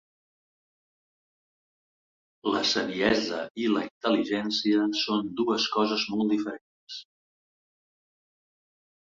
La saviesa i la intel·ligència són dues coses molt diferents.